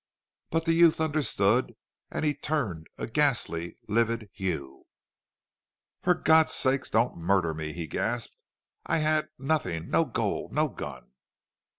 But the youth understood and he turned a ghastly livid hue. "For God's sake don't murder me!" he gasped. "I had nothing no gold no gun!"